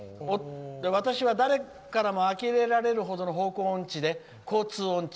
私は誰からもあきれられるほどの方向音痴で交通音痴。